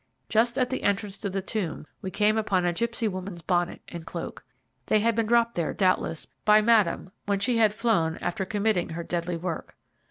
Just at the entrance to the tomb we came upon a gipsy woman's bonnet and cloak. They had been dropped there, doubtless, by Madame when she had flown after committing her deadly work.